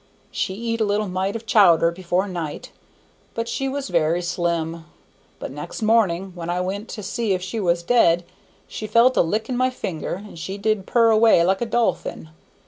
She eat a little mite of chowder before night, but she was very slim; but next morning, when I went to see if she was dead, she fell to licking my finger, and she did purr away like a dolphin.